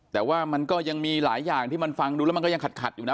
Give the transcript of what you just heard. แต่ว่ามันก็ยังมีหลายอย่างที่มันฟังดูแล้วมันก็ยังขัดอยู่นะ